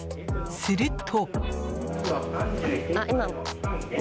すると。